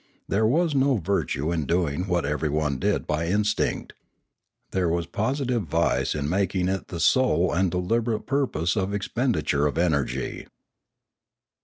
There was no vir tue in doing what everyone did by instinct. There was positive vice in making it the sole and deliberate purpose of expenditure of energy.